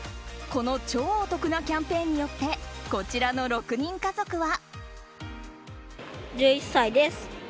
この超お得なキャンペーンによってこちらの６人家族は。